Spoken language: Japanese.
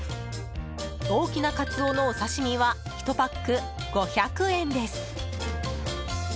大きなカツオのお刺し身は１パック５００円です。